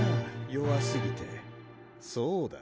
弱すぎてそうだ